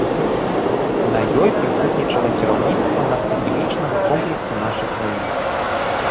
На ёй прысутнічала кіраўніцтва нафтахімічнага комплексу нашай краіны.